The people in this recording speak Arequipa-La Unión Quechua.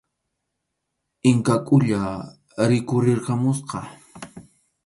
Inka Qulla rikhurirqamusqa.